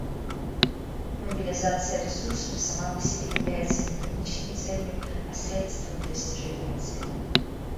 Мобилизация ресурсов сама по себе является не конечной целью, а средством достижения цели.